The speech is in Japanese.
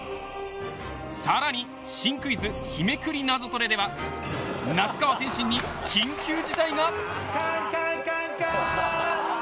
更に、新クイズ日めくりナゾトレでは那須川天心に緊急事態が？